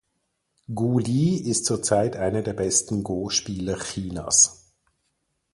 Gu Li ist zurzeit einer der besten Go-Spieler Chinas.